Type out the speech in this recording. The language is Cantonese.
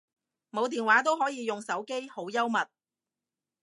冇電話都可以用手機，好幽默